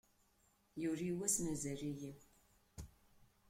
Yuli wass mazal-iyi.